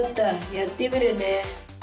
やってみるね。